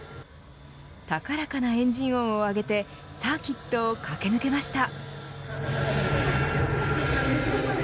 高らかなエンジン音をあげてサーキットを駆け抜けました。